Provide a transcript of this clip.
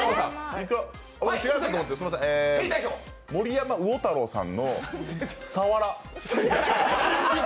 森山魚太朗さんの「さわら」。